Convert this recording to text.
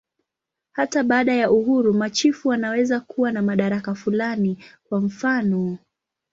Hata baada ya uhuru, machifu wanaweza kuwa na madaraka fulani, kwa mfanof.